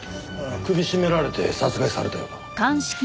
首絞められて殺害されたようだ。